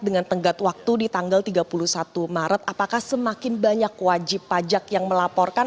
dengan tenggat waktu di tanggal tiga puluh satu maret apakah semakin banyak wajib pajak yang melaporkan